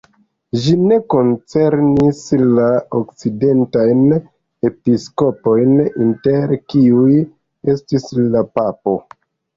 Ĝi ne koncernis la okcidentajn episkopojn, inter kiuj estis la papo.